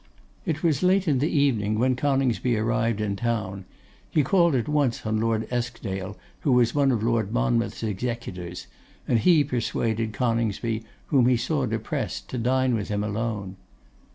It was late in the evening when Coningsby arrived in town: he called at once on Lord Eskdale, who was one of Lord Monmouth's executors; and he persuaded Coningsby, whom he saw depressed, to dine with him alone.